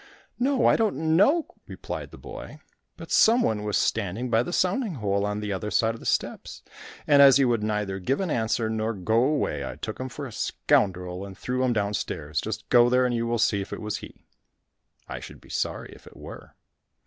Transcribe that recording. "No, I don't know," replied the boy, "but some one was standing by the sounding hole on the other side of the steps, and as he would neither give an answer nor go away, I took him for a scoundrel, and threw him downstairs, just go there and you will see if it was he. I should be sorry if it were."